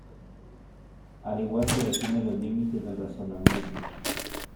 Al igual que define los límites del razonamiento.